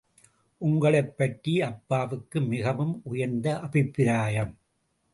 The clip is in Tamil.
உங்களைப் பற்றி அப்பாவுக்கு மிகவும் உயர்ந்த அபிப்பிராயம்!...